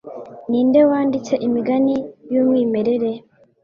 Ninde wanditse imigani yumwimerere ?